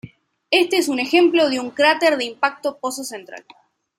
Este es un ejemplo de un cráter de impacto pozo central.